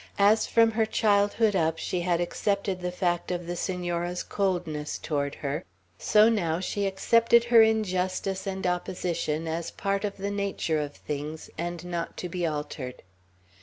As from her childhood up she had accepted the fact of the Senora's coldness toward her, so now she accepted her injustice and opposition as part of the nature of things, and not to be altered.